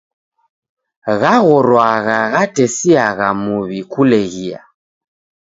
Ghaghorwagha ghatesiagha muw'I kuleghia.